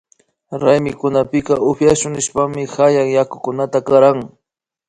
Raymikunapika upyashun nishpami hayak yakukunata karan